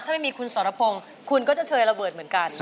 ถ้าไม่มีคุณสรพงศ์คุณก็จะเชยระเบิดเหมือนกัน